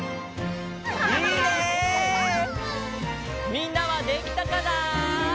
みんなはできたかな？